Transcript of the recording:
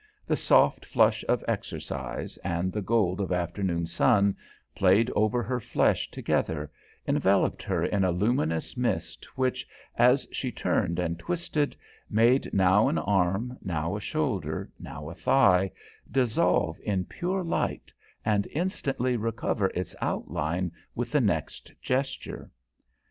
The soft flush of exercise and the gold of afternoon sun played over her flesh together, enveloped her in a luminous mist which, as she turned and twisted, made now an arm, now a shoulder, now a thigh, dissolve in pure light and instantly recover its outline with the next gesture.